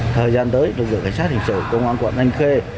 thời gian tới lực dựng cảnh sát hình sở công an quận an khê